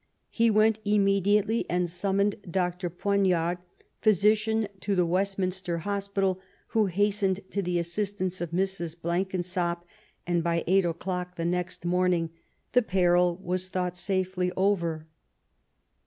He went immediately and summoned Dr. Poignard, physician to the Westminster Hospital, who hastened to the assistance of Mrs. Blenkinsop^ and by eight o'clock the next morning the peril was thought safely over.